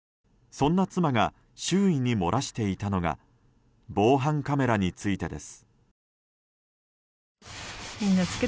そんな妻が周囲に漏らしていたのが防犯カメラについてです。